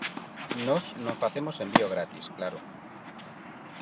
Nós non facemos envío gratis, claro.